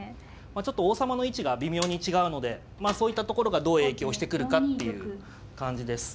ちょっと王様の位置が微妙に違うのでそういったところがどう影響してくるかっていう感じです。